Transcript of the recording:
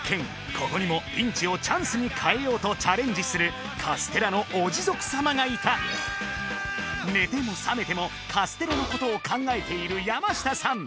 ここにもピンチをチャンスに変えようとチャレンジするカステラのおジゾク様がいた寝ても覚めてもカステラのことを考えている山下さん